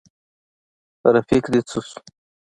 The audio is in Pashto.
رفیق دي څه شو.